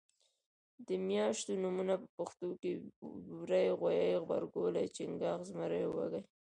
د میاشتو نومونه په پښتو کې وری غویي غبرګولی چنګاښ زمری وږی